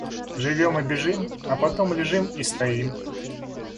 Живём и бежим, а потом лежим и стоим.